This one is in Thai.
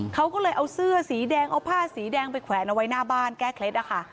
เขาก็เลยเอาเสื้อสีแดงเอาผ้าสีแดงไปแขวนเอาไว้หน้าบ้านแก้เคล็ดนะคะ